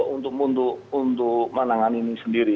polisi mampu untuk menangan ini sendiri